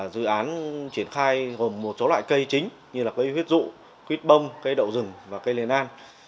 dự án triển khai gồm một số loại cây chính như là cây huyết rụ huyết bông cây đậu rừng và cây lền an